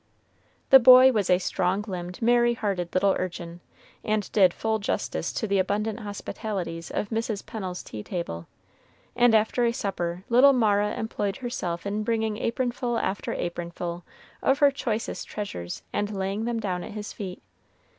The boy was a strong limbed, merry hearted little urchin, and did full justice to the abundant hospitalities of Mrs. Pennel's tea table; and after supper little Mara employed herself in bringing apronful after apronful of her choicest treasures, and laying them down at his feet.